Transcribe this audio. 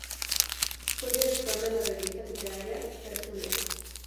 Fue director de la revista literaria "Tertulia".